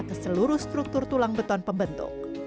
ke seluruh struktur tulang beton pembentuk